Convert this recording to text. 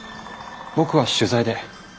僕は取材で。